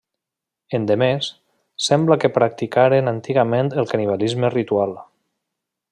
Endemés, sembla que practicaren antigament el canibalisme ritual.